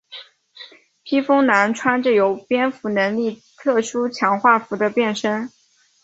披风男穿着有蝙蝠能力特殊强化服的变身。